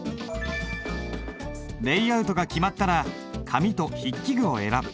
レイアウトが決まったら紙と筆記具を選ぶ。